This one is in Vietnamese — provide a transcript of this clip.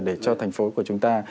để cho thành phố của chúng ta